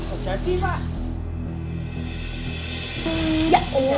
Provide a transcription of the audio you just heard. bisa jadi pak